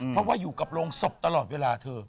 เพราะว่าอยู่กับโรงศพตลอดเวลาเธอ